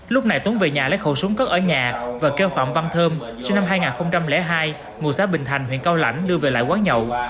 lúc này tuấn về nhà lấy khẩu súng cất ở nhà và kêu phạm văn thơm sinh năm hai nghìn hai ngụ xã bình thành huyện cao lãnh đưa về lại quán nhậu